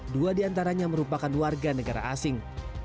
dua diantaranya merupakan warga negara asing